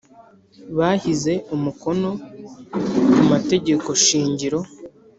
Bahize umukono ku mategeko shingiro